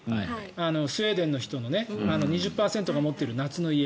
スウェーデンの人の２０％が持っている夏の家。